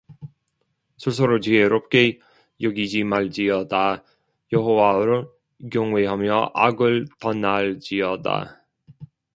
스스로 지혜롭게 여기지 말지어다 여호와를 경외하며 악을 떠날지어다